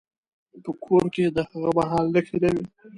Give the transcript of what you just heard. په کور کې د هغه مهال نښې نه وې.